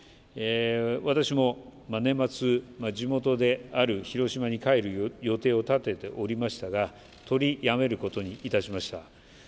私も年末、地元である広島に帰る予定を立てておりましたが、取りやめることにいたしました。